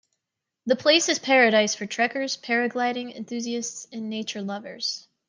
The place is paradise for trekkers, paragliding enthusiasts and nature lovers.